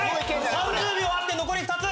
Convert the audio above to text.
３０秒あって残り２つ。